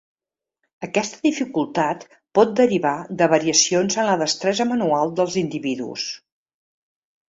Aquesta dificultat pot derivar de variacions en la destresa manual dels individus.